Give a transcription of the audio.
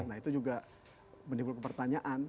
nah itu juga menimbulkan pertanyaan